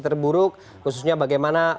terburuk khususnya bagaimana